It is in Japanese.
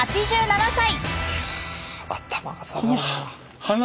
８７歳。